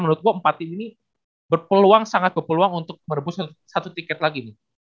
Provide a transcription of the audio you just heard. menurut gue empat tim ini berpeluang sangat berpeluang untuk merebuskan satu tiket lagi nih